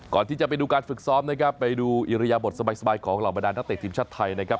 ก่อนที่จะไปดูการฝึกซ้อมนะครับไปดูอิริยบทสบายของเหล่าบรรดานักเตะทีมชาติไทยนะครับ